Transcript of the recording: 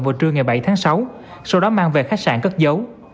vào trưa ngày bảy tháng sáu sau đó mang về khách sạn cất giấu